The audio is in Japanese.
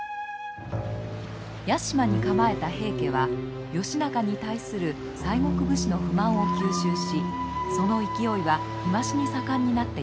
屋島に構えた平家は義仲に対する西国武士の不満を吸収しその勢いは日増しに盛んになっていました。